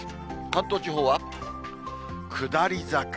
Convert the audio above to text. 関東地方は下り坂。